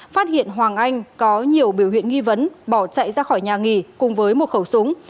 phát hiện hoàng anh có nhiều biểu hiện nghi vấn bỏ chạy ra khỏi nhà nghỉ cùng với một khẩu súng